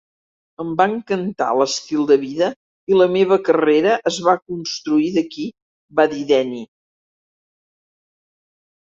"Em va encantar l'estil de vida i la meva carrera es va construir aquí", va dir Denny.